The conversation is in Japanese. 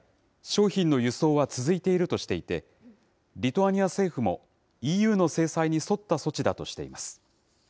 商品の輸送は続いているとしていて、リトアニア政府も、ＥＵの制裁に沿った措置だとしています。